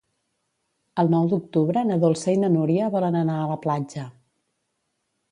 El nou d'octubre na Dolça i na Núria volen anar a la platja.